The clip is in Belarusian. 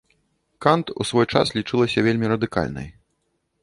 Кант ў свой час лічылася вельмі радыкальнай.